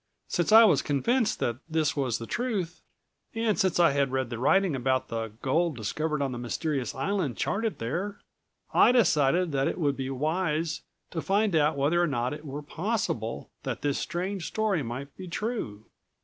Since I was convinced that this was the truth, and since I had read the writing about the gold discovered on the mysterious island charted there, I decided that it would be wise to find out whether or not it were possible that this strange story might be true.